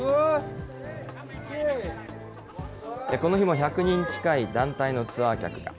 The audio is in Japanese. この日も１００人近い団体のツアー客が。